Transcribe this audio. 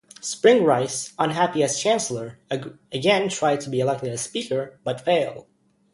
Spring Rice, unhappy as Chancellor, again tried to be elected as Speaker, but failed.